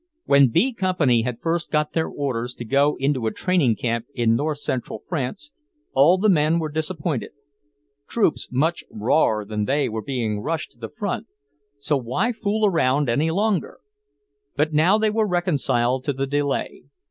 When B Company had first got their orders to go into a training camp in north central France, all the men were disappointed. Troops much rawer than they were being rushed to the front, so why fool around any longer? But now they were reconciled to the delay.